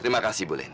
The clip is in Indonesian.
terima kasih bu lenny